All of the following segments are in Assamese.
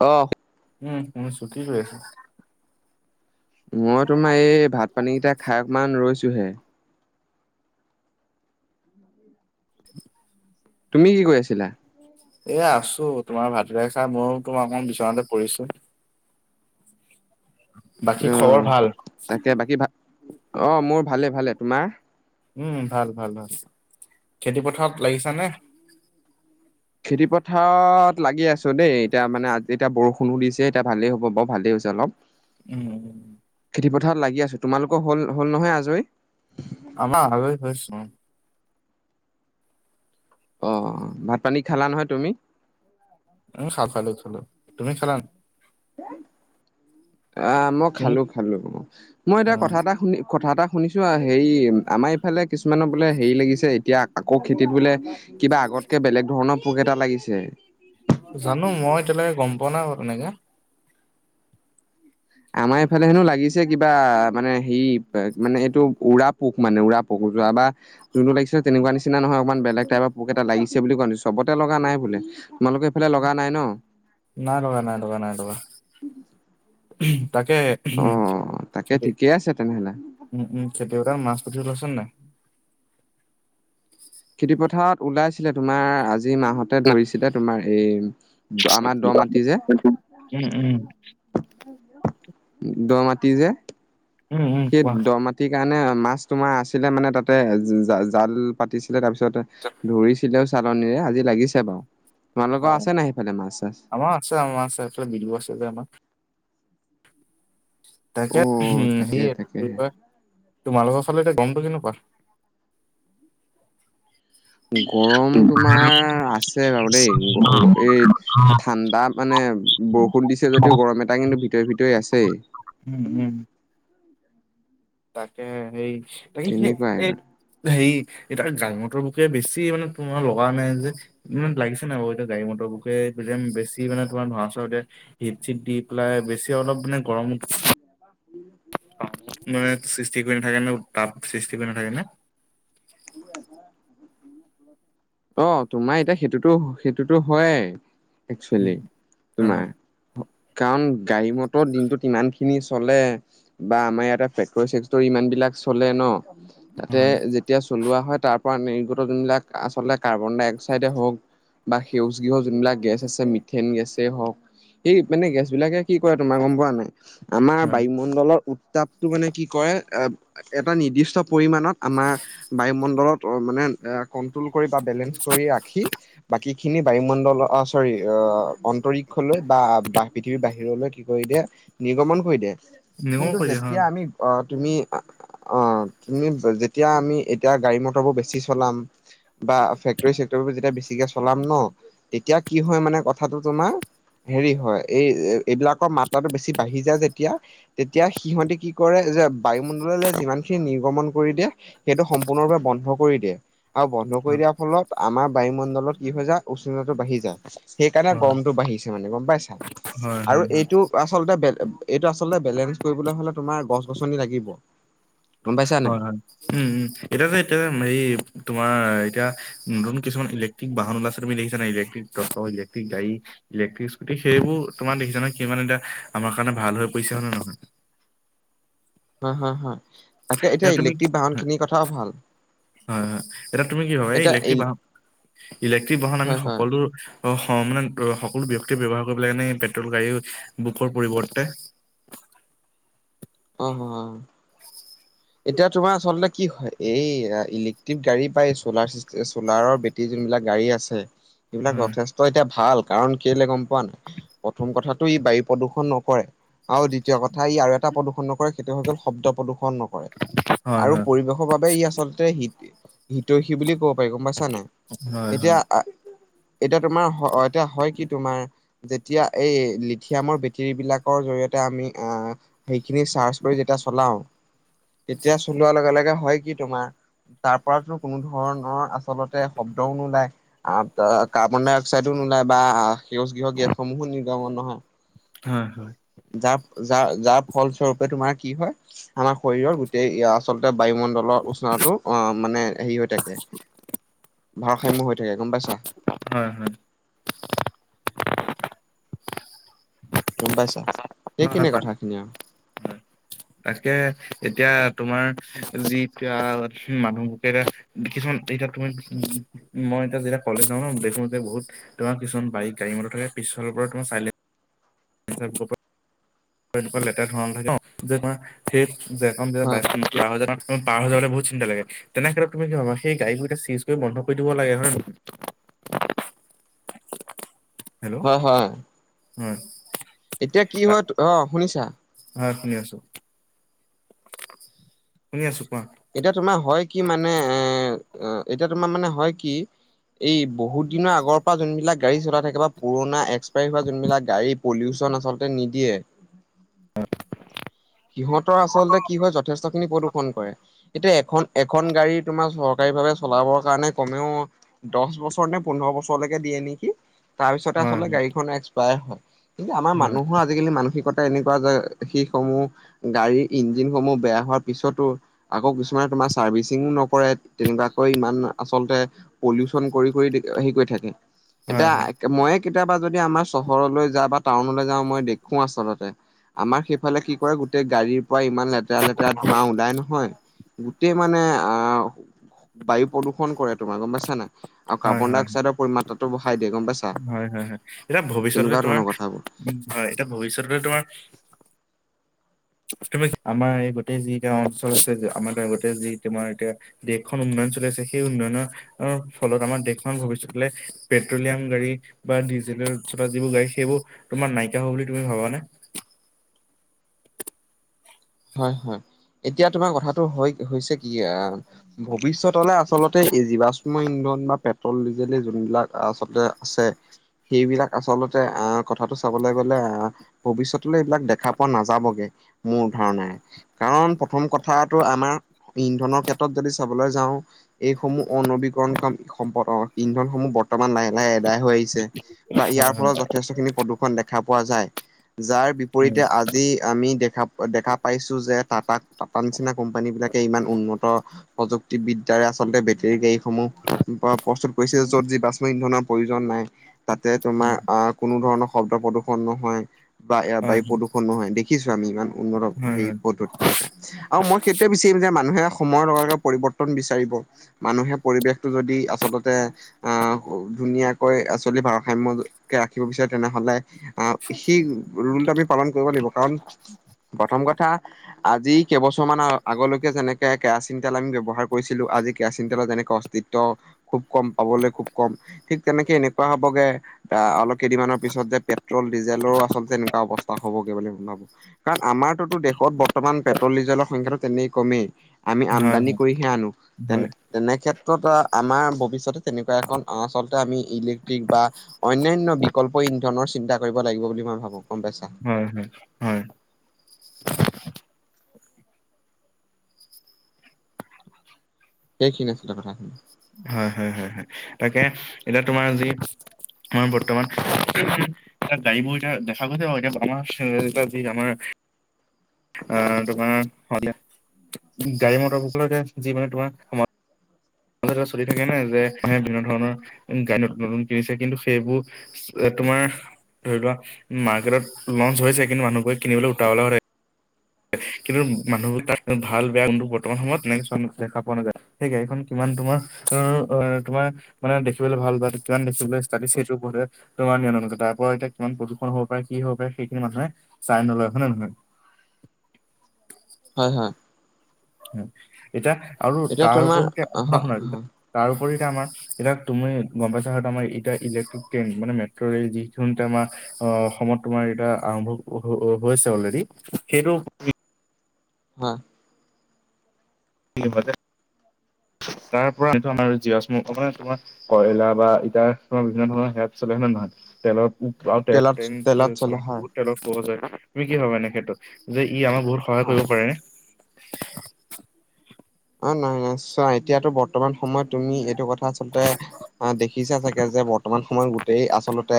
অ', উম, শুনিছো কি কৰি আছা? মই তোমাৰ এই ভাত পানীকেইটা খাই অকমান ৰৈছোঁ হে। [inaudible] তুমি কি কৈ আছিলা? এ আছোঁ তোমাৰ ভাতকেইটা খাই ময়ো তোমাৰ অকমান বিচনাতে পৰিছো। বাকী অহ খবৰ ভাল? তাকে বাকী ভা অ', মোৰ ভালে ভালে তোমাৰ? উম, ভাল - ভাল - ভাল, খেতি পথাৰত লাগিছা নে? খেতি পথাৰত লাগি আছোঁ দেই এতিয়া মানে আ, এতিয়া বৰষুণো দিছে এতিয়া ভালেই হ'ব বাৰু ভালেই হৈছে অলপ। উম, খেতি পথাৰত লাগি আছোঁ তোমালোকৰ হ'ল, হ'ল, নহয় আজৰি? আমাৰ হৈ [unintelligible] অ', ভাত পানী খালা নহয় তুমি? আমি খা খালো থলো তুমি খালা নে? আ, মই তুমি খালো - খালো, মই এতিয়া কথা অ'। এটা শুনি কথা এটা শুনিছোঁ আ, হেৰি আমাৰ ইফালে কিছুমানৰ বোলে হেৰি লাগিছে এতিয়া আকৌ খেতিত বোলে কিবা আগতকে বেলেগ ধৰণৰ পোক এটা লাগিছে। জানো মই এতিয়ালৈকে গম পোৱা নাই বাৰু তেনেকে আমাৰ এইফালে হেনু লাগিছে কিবা মানে হেৰি মানে এইটো উৰাপ পোক মানে উৰা পোক, যোৱা বাৰ যোনটো লাগিছে তেনেকুৱা নিচি নহয়, অকমান বেলেগ টাইপৰ পোক এটা লাগিছে বুলি কোৱা [unintelligible] চবতে লগা নাই বোলে। তোমালোকে এইফালে লগা নাই ন? নাই লগা, নাই লগা, নাই লগা, তাকেহে অ' তাকে ঠিকেই আছে তেনেহলে। উম, উম, খেতি পথাৰত মাছ পুথি ওলাইছে নাই? খেতি পথাৰত ওলাইছিলে তোমাৰ আজি মাহত ধৰিছিলে তোমাৰ এই আমাৰ দহ মাটি যে উম, উম। দহ মাটি যে, উম উম সেই কোৱা। দহ মাটি টি কাৰণে মাছ তোমাৰ আছিলে মানে, তাতে জা- জাল পাতিছিলে তাৰপিছত ধৰিছিলেও চালনিৰে আজি লাগিছে বাৰু। তোমালোকৰ হয় আছে নাই সেইফালে মাছ চাছ? আমাৰ আছে আমাৰ আছে এইফালে বিলু আছে যে আমাৰ। তাকে, অ', উম, সি তাকে এইটো কি তাকেহে। কয় তোমালোকৰ ফালে এতিয়া গৰমটো কেনেকুৱা? গৰম তোমাৰ আছে বাৰু দেই, এই ঠাণ্ডা মানে, বৰষুণ দিছে যদি গৰম এটা কিন্তু ভিতৰি ভিতৰি আছেই। উম, উম। তাকেসে সেই, তাকেই কি তেনেকুৱাই সেই হেৰি এতাৰ দাঙৰটোৰ মোখে বেছি মানে তোমাৰ লগা নাই যে। হিমানে, লাগিছে নাই বাৰু এতিয়া গাড়ী মটৰ বুকে বেছি মানে, তোমাৰ ধোৱা চোৱা উলিয়াই। হিট চট দি পেলাই, বেছি অলপ মানে, গৰমত [unintelligible] অ আমাৰ ইয়াত সৃষ্টি কৰি নাথাকে নে উত্তপ সৃষ্টি কৰি নাথাকে নে। [unintelligible] অ', তোমাৰ এতিয়া সেইটোতো সেইটোতো হয়েই একচুৱেলি উম তোমাৰ। হয় কাৰণ, গাড়ী মটৰ দিনটোত ইমান খিনি চলে বা, আমাৰ ইয়াতে ফেক্টৰী চেক্টৰী ইমান বিলাক চলে ন' তাতে হয় যেতি তেতিয়া চলোৱা হয়, তাৰ পৰা নিৰ্গত যিবিলাক, আচলতে কাৰ্বন ডাই-অক্সাইডেই হওক বা সেউজ গৃহ যোনবিলাক গেছ আছে, মিথেন গেছেই হওক সেই মানে, গেছ বিলাকে কি কৰে তোমাৰ গম পোৱা নাই? আমাৰ হয় বায়ুমণ্ডলৰ উত্তাপটো মানে, কি কৰে এ এটা নিৰ্দিষ্ট পৰিমাণত আমাৰ বায়ুমণ্ডলত মানে এ কন্ট্ৰল কৰি বা বেলেঞ্চ কৰি ৰাখি, বাকী খিনি বায়ুমণ্ডল অ', চৰি অন্তৰীক্ষলৈ বা পৃথিৱীৰ বাহিৰলৈ কি কৰি দিয়ে নিৰ্গমন কৰি দিয়ে। নিৰ্মল কিন্তু কৰি দিয়ে হয় যেতিয়া আমি অ', তুমি, আ অ', তুমি যেতিয়া আমি এতি এতিয়া গাড়ী মটৰ বোৰ বেছি চলাম। বা ফেক্টৰী চেক্টৰি যেতিয়া বেছিকে চলাম ন', তেতিয়া কি হয় মানে, কথাটো তোমাৰ হেৰি হয় এই এইবিলাকৰ মাত্ৰাটো বেছি বাঢ়ি যায়, যেতিয়া তেতিয়া সিহঁতে কি কৰে যে বায়ুমণ্ডললৈ যিমান খিনি নিৰ্গমন কৰি দিয়ে, সেইটো স সম্পূৰ্ণৰূপে বন্ধ কৰি দিয়ে, আৰু বন্ধ কৰি হয় দিয়াৰ ফলত আমাৰ বায়ুমণ্ডলত কি হয় যায় উষ্ণতা তো বাঢ়ি যায়, সেইকাৰণে হয় গৰমতটো বাঢ়িছে মানে গম পাইছা। হয় আৰু হয় হয়। এইটো আ আচলতে, এইটো আচলতে বেলেঞ্চ কৰিবলৈ হলে তোমাৰ গছ গছনি লাগিব। গম পাইছা নাই? হয় হয়। উম, উম এতিয়া তো এইটো হেৰি তোমাৰ এতিয়া নতুন কিছুমান ইলেকট্ৰিক বাহন ওলাইছে, তুমি দেখিছানে নাই ইলেক্টিক [unintelligible] ইলেক্টিক গাড়ী। ইলেক্ট্ৰিক স্কুটি, সেইবোৰ তোমাৰ দেখিছা নহয়, কিমান এতিয়া আমাৰ কাৰণে ভাল হৈ পৰিছে হয় নে নহয়? হয় হয় হয়। তাকে এতিয়া তুমি ইলেক্ট্ৰিক বাহন হয় খিনিৰ কথাও ভাল। হয় হয়। এতিয়া তুমি কি ভাবা এই এতিয়া ইলেক্ট্ৰিক ইল বাহন- ইলেক্ট্ৰিক বাহন আমি হয় হয় সকলো অ', সমানে সকলো ব্যক্তিয়ে ব্যৱহাৰ কৰিব লাগেনে পেট্ৰল গাড়ী বুকৰ পৰিৱৰ্তে? অ', হয়', হয়,। এতিয়া, তোমাৰ আচলতে কি হয়, এই ইলেক্ট্ৰিক গাড়ী বা এই চলাৰ চিষ্টে চলাৰৰ বেট বাকি যোনবিলাক গাড়ী আছে সেইবিলাক হয় যথেষ্ট এতিয়া ভাল, কাৰণ কেলে গম পোৱা নাই? প্ৰথম কথাটো ই বায়ু প্ৰদূষণ নকৰে। আৰু দ্বিতীয় কথা ই আৰু এটা প্ৰদূৰণ নকৰে, সেইটো হৈ গল শব্দ প্ৰদূৰণ নকৰে। হয় আৰু পৰিৱেশৰ বাবে ই আচলতে হি হিতয়ষী বুলি কব পাৰি গম পাইছা নাই, হয় হয় এতিয়া হয় আ এতিয়া তোমাৰ এতিয়া হয় কি তোমাৰ যেতিয়া এই লিথিয়ামৰ বেটেৰী বিলাকৰ জৰিয়তে আমি আ সেইখিনি চাৰ্চ কৰি যেতিয়া চলাও তেতিয়া চলোৱাৰ লগে লগে হয় কি তোমাৰ তাৰ পৰাতো কোনো ধৰণৰ আচলতে শব্দও নোলায়। আহ দা কাৰ্বন ডাই অক্সাইডো নোলায় বা সেউজ গৃহ গেছসমূহো নিৰ্গমন নহয়। হয়ঁ হয়ঁ। যাৰ যা যাৰ ফলস্বৰূপে তোমাৰ কি হয় আমাৰ শৰীৰৰ গোটেই আচলতে বায়ুমণ্ডল তলত উচনা টো অ মানে হেৰি হৈ থাকে ভাৰসাম্য হৈ থাকে গম পাইছা। হয়ঁ হয়ঁ। [inaudible] গম পাইছা হয় হয় সেইখনে হয় কথাখিনি আৰু। হয় তাকে এতিয়া তোমাৰ যিতিয়া মানুহ তেৰায়া কিছুমান এতিয়া তমি মই এতিয়া যেতিয়া কলেজ যাওঁ ন দেখো যে বহুত। তোমাৰ কিছুমান বাৰী গাড়ী মটৰ থাকে পিছফালৰ পৰা তোমাৰ চাইলেন কৰবাত লেতেৰা ধোৱা উলাই থাকে ন সেই যে মই হয় বাইক খন পাৰ যান পাৰ হৈ যাবলৈ বহত চিন্তা লাগে। তেনে ক্ষেত্ৰত তুমি কি ভাবা সেই গাড়ীবোৰটা চিজ কৰি বন্ধ কৰি দিব লাগে হয় নহয়। হেলৌ! হয় হয় হয়ঁ। এতিয়া কি হয়ঁ অ শুনিছা। হয়ঁ শুনি আছো। শুনি আছো কোৱা। এতিয়া তোমাৰ হয় কি মানে এ এতিয়া তোমাৰ মানে হয় কি? এই বহুত দিনৰ আগৰ পৰা যোনবিলাক গাড়ী চলাই থাকে বা পুৰণা এক্সপায়াৰী হোৱা যোনবিলাক গাড়ী পলিউচন আচলতে নিদিয়ে। সিহঁতৰ আচলতে কি হয় যথেষ্ট খিনি প্ৰদূৰষন কৰে এতিয়া এখন এখন গাড়ী তোমাৰ চ গাড়ী ভাৱে চলাবৰ কাৰণে কমেও দহ বছৰ নে পোন্ধৰ বছৰলৈকে দিয়ে নেকি? তাৰ পিছতে হয় আচলতে গাড়ীখন এক্সপায়াৰ হয়। কিন্তু আমাৰ হয় মানুহৰ- আজিকালি মানসিকতা এনেকুৱা যে শিশসমূহ। গাড়ীৰ ইঞ্জিনসমূহ বেয়া হোৱাৰ পিছতো আকৌ কিছুমানে তোমাৰ চাৰ্ভিচিং নকৰে। তেনেকুৱাকৈ ইমান আচলতে পলিউচন কৰি কৰি হেৰি কৰি থাকে। হয় হয় এতিয়া- মইয়ে কেতিয়াবা যদি আমাৰ চহৰলৈ যাও বা টাউনলৈ যাওঁ মই দেখো আচলতে। আমাৰ সেইফালে কি কৰে- সেই গাড়ীৰ পৰা ইমান লেতেৰা লেতেৰা ধোৰা ওলাই নহয় গোটেই মানে আহ! বায়ু প্ৰদূষণ কৰে তোমাৰ গম পাইছা আৰু কাৰ্বন ডাই অক্সাইডৰ পৰিমাত্ৰাটো বঢ়াই দিয়ে গম পাইছা। হয়ঁ হয়ঁ হয়ঁ এতিয়া ভৱিষ্যতে তেনেকুৱা তোমাৰ ধৰণৰ কথাবোৰ উমঁ হয়ঁ এতিয়া ভৱিষয়তে তোমাৰ- তুমি আমাৰ এই গোটেই যি গাওঁ অঞ্চল আছে আমাৰ ত গোতেই যি তোমাৰ এতিয়া- দেশখন উন্নয়ন চলি আছে সেই উন্নয়নৰ- অঁ ফলত আমাৰ দেশখন ভৱিষ্যতলৈ পেট্ৰলিয়াম গাড়ী। বা ডিজেলৰ যিবোৰ গাড়ী সেইবোৰ তোমাৰ নাইকিয় হ'ব বুলি তুমি ভাবানে? হয়ঁ হয়ঁ এতিয়া তোমাৰ কথাটো হয় হৈছে কি আ- ভৱিষ্যত আচলতে এই জীৱাশ্ম ইন্ধন বা পেট্ৰল ডিজেল যোনবিলাক আচলতে আছে। সেইবিলাক আচলতে আহ কথাটো চাবলৈ গ'লে আহ। ভৱিষ্যতলৈ এইবিলাক দেখা পোৱা নাযাবগে মোৰ। ধৰণাই কাৰণ প্ৰথম কথাটো আমাৰ ইন্ধনৰ ক্ষেত্ৰত যদি চাবলৈ যাওঁ- এইসমূহ অনবীকৰণ সম্পদ ইন্ধনসমূহ বৰ্ত বৰ্তমান লাহে লাহে এদাই হৈ আহিছে বা ইয়াৰ হয় হয় ফলত যথেষ্ট খিনি প্ৰদূষণ দেখা- দেখা পোৱা যায় যাৰ বিপৰীতে উম আজি আমি দেখা- দেখা পাইছো যে টাটা টা নিচিনা কোম্পানী বিলাকে ইমান উন্নত! প্ৰযুক্তিবিদ্যাৰে আচলতে বেটেৰী গাড়ীত সমূহ প্ৰস্তুত কৰিছে য'ত যি বাচ ইন্ধনৰ প্ৰয়োজন নাই তাতে তোমাৰ উম আহ- কোনো ধৰণৰ শব্দ প্ৰদূষণ নহয় বা এয়াৰ হয় বায়ু প্ৰদূৰণ নহয় দেখিছো আমি ইমান। [unintelligible] আৰু মই সেইটোয়ে বিচাৰিম যে মানুহে সময়ৰ লগে লগে পৰিৱৰ্তন বিচাৰিব। মানুহে পৰিৱেশটো যদি আচলতে আহ ধুনীয়াকৈ আ চলিব ভাৰসাম্যকে ৰাখিব বিচাৰে তেনেহলে। আহ সেই ৰুলটো আমি পালন কৰিব লাগিব। কাৰণ প্ৰথম কথা আজি কেইবছৰমান আগলৈকে যেনেকে কেৰাচিন তেল আমি ব্যৱহাৰ কৰিছিলো আজি কেৰাচিন তেলৰ যেনেকে খুব কম পাবলৈ খুব কম ঠিক তেনেকে এনেকুৱা হবগে অলপ কেইদিনমানৰ পিছত যে পেট্ৰল ডিজেলৰো আচলতে এনেকুৱা অৱস্থা হবগৈ বুলি মই ভাবো। কাৰণ আমাৰতোতো দেশত বৰ্তমান পেট্ৰল ডিজেলৰ সংখ্যাটো তেনে কমেই। আমি আমদানি হয় কৰিহে আনো তেনে হয় তেনে ক্ষেত্ৰত আমাৰ ভৱিষ্যতে তেনেকুৱা এখন আচলতে আমি ইলেক্ট্ৰিক বা অনান্য বিকল্প ইন্ধনৰ চিন্তা কৰিব লাগিব বুলি মই ভাবো। গম পাইছা? হয় হয় হয়। সেইখিনি আছিলে কথা। হয় হয় হয় হয় তাকে এতিয়া তোমাৰ যি মৰ বৰ্তমান এটা গাড়ী বোৰ এতিয়া দেখা গৈছে এ আমাৰ যি এ আমাৰ অ তোমাৰ হ গাড়ী মটৰ বুক যি মানে তোমাৰ কথাটা চলি থাকে নে যে বিভিন্ন ধৰণৰ গাড়ী নতুন নতুন কিনিছে কিন্তু সেইবোৰ তোমাৰ ধৰি লোৱা মাৰ্কেটত লঞ্চ হৈছে, কিন্তু মানুহবোৰে কিনিবলৈ উটাবলা কিন্তু মানুহবোৰ তাত ভাল বেয়া কিন্তু বৰ্তমান সময়ত তেনেক দেখা পোৱা নাযায়। সেই গাড়ীখন কিমান তোমাৰ এ তোমাৰ মানে দেখিবলৈ ভাল পায় কিমান দেখিবলৈ স্তব্লিছ সেইটো ওপৰতে তোমাৰ নিয়ে তাৰ পৰা এতিয়া কিমান প্ৰদূষণ হব পাৰে কি হব পাৰে সেইখিনি মানুহে চাই নলয় হয় না নহয়? হয় হয়। এতিয়া আৰু এতিয়া তোমাৰ তাৰওপৰিতে শুনা হয় শুনা হয় তাৰোপৰি আমাৰ এতিয়া তুমি গম পাইছা আমাৰ এতিয়া ইলেক্ট্ৰিক ট্ৰেইন মানে মেট্ৰ ৰেল যি আমাৰ অ অসমত তোমাৰ এতিয়া আৰম্ভ হৈছে অলৰেডি। সেইটো [unintelligible] [unintelligible] তাৰ পৰা আমাৰ [unintelligible] তোমাৰ কইলা বা ইতা বিভিন্ন ধৰণৰ হেয়াত চলেনে নে নহয় তেলৰ তেলত তেলত চলে হয় [unintelligible] কোৱা যায় তুমি কি ভাবা এনে ক্ষেএত? যে ই আমাক বহুত সহায় হয় কৰিব পাৰে নে? অ নাই নাই চোৱা এতিয়াতো বৰ্তমান সময়ত তুমি এইটো কথা আচলতে আহ দেখিছো চাগে যে বৰ্তমান সময়ত গোটেই আচলতে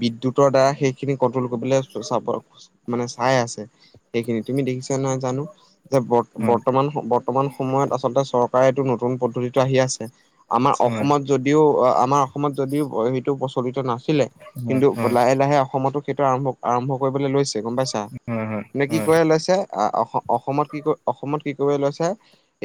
বিদ্যুতৰ দ্বাৰা সেই সেইখিনি কন্ট্ৰল কৰিবলৈ মানে চাই আছে সেইখিনি তুমি দেখিছা নই জানো যে হয় বৰ্তমান বৰ্তমান সময়ত আচলতে চৰকাৰে এইটো নতুন পদ্ধতিটো আহি আছে। আমাৰ হয় অসমত যদিও আমাৰ অসমত যদিও সেইটো প্ৰচলিত নাছিলে। হয় কিন্তু হয় লাহে লাহে অসমতো সেইটো আৰম্ভ আৰম্ভ কৰিবলৈ লৈছে। গম পাইছা হয় নে হয় কি হয় কৰি লৈছে অসমত কি কৰি অসমত কি কৰি লৈছে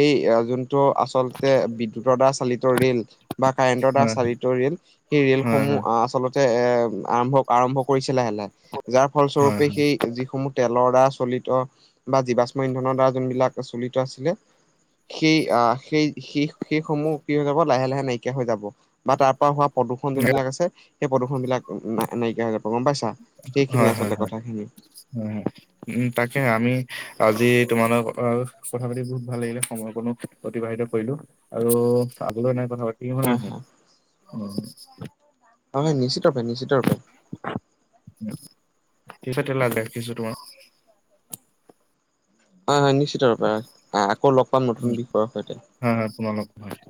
এই যোনটো আচলতে বিদ্যুতৰ দ্বাৰা চালিত ৰেল। বা কাৰেন্টৰ দ্বাৰা হয় চালিত ৰেল সেই হয় ৰেলসমূহ আহ আচলতে এ আৰম্ভ আৰম্ভ কৰিছে লাহে লাহে যাৰ হয় হয় ফলস্বৰূপে সেই যিসমূহ তেলৰ দ্বাৰা চলিত বা জীৱাশ্ম ইন্ধনৰ দ্বাৰা যোনবিলাক চলিত আছিলে। সেই আঁহ', সেই, সেই-সেইসমূহ কি হৈ যাব লাহে-লাহে নাইকিয়া হৈ যাব, বা তাৰ পৰা হোৱা- প্ৰদূষণ যোন হয়। বিলাক আছে সেই প্ৰদূষণ বিলাক- নাইকিয়া হৈ যাব গম পাইছা সেইখিনি আচলতে কথাখিনি। উমঁহ। উমঁ তাকে আমি আজি তোমাৰ লগত কথা পাতি বহুত ভাল লাগিলে, সময় কনো- অতিবাহিত কৰিলো, আৰু আগলৈ নাই কথা পাতিম হয় হা নহয়। হয়-হয়, নিশ্চিত ৰূপে, নিশ্চিত ৰূপে। পিছতে লাগে ৰাখিছো তোমাৰ। হয়-হয় নিশ্চিত ৰূপে, আকৌ লগ পাম নতুন বিষয়ৰ সৈতে। হয়-হয় তোমালোকৰ কথা।